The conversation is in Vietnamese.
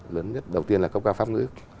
lớn nhất đầu tiên là cấp cao pháp ngữ